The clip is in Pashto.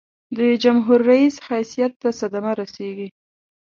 د جمهور رئیس حیثیت ته صدمه رسيږي.